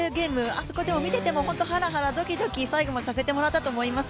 あそこ、見ててもハラハラドキドキ最後までさせてもらったと思います。